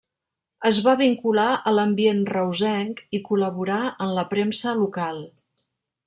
Es va vincular a l'ambient reusenc i col·laborà en la premsa local.